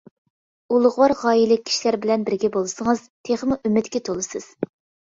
ئۇلۇغۋار غايىلىك كىشىلەر بىلەن بىرگە بولسىڭىز، تېخىمۇ ئۈمىدكە تولىسىز.